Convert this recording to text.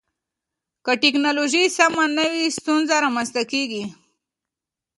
که ټکنالوژي سمه نه وي، ستونزې رامنځته کېږي.